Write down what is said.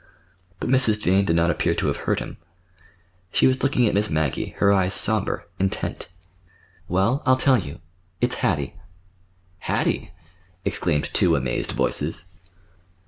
But Mrs. Jane did not appear to have heard him. She was looking at Miss Maggie, her eyes somber, intent. "Well, I'll tell you. It's Hattie." "Hattie!" exclaimed two amazed voices.